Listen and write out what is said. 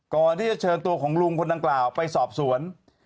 ก่อนที่จะเชิญตัวของลุงคนดังกล่าวไปสอบสวน